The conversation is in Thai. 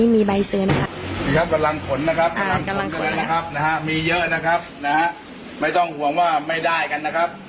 มีหลังขนร้องนะครับไม่ต้องห่วงว่าไม่ได้กันนะครับ